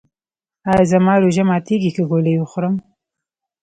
ایا زما روژه ماتیږي که ګولۍ وخورم؟